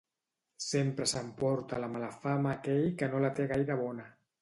Sempre s'emporta la mala fama aquell que no la té gaire bona.